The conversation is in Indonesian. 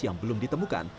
yang belum ditemukan